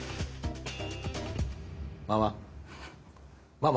ママ！